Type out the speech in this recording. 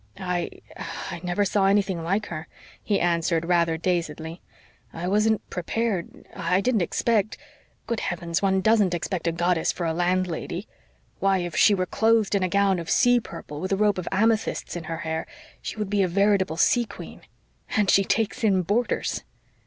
"I I never saw anything like her," he answered, rather dazedly. "I wasn't prepared I didn't expect good heavens, one DOESN'T expect a goddess for a landlady! Why, if she were clothed in a gown of sea purple, with a rope of amethysts in her hair, she would be a veritable sea queen. And she takes in boarders!"